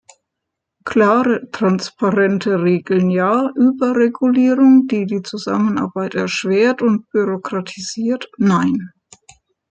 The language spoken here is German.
Klare, transparente Regeln ja, Überregulierung, die die Zusammenarbeit erschwert und bürokratisiert, nein.